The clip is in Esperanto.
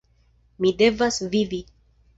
Mi devas vivi!